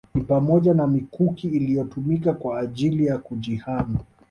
Ni pamoja na mikuki iliyotumika kwa ajili ya kujihami